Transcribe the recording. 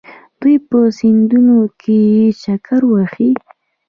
دوی په سیندونو کې چکر وهي.